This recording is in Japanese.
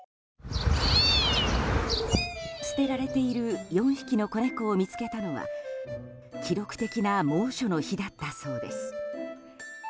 捨てられている４匹の子猫を見つけたのは記録的な猛暑の日だったそうです。